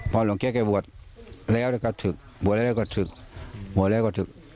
พอหลวงแก๊แกบวชแล้วก็ศึกบวชแล้วก็ศึกบวชแล้วก็ศึก